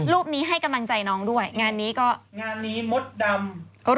รูปนี้ให้กำลังใจน้องด้วยงานนี้ก็งานนี้มดดำ